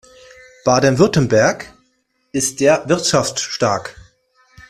Baden-Württemberg ist sehr wirtschaftsstark.